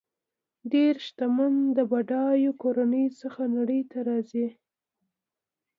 ډېری شتمن د بډایو کورنیو څخه نړۍ ته راځي.